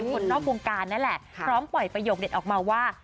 คนนอกวงการนั่นแหละพร้อมปล่อยประโยคเด็ดออกมาว่า